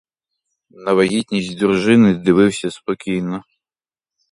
На вагітність дружини дивився спокійно.